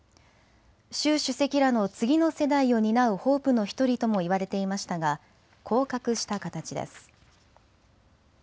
習主席らの次の世代を担うホープの１人ともいわれていましたが降格した形です。